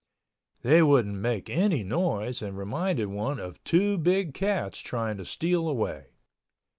They wouldn't make any noise and reminded one of two big cats trying to steal away.